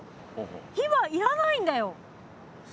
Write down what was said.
火はいらないんだよ！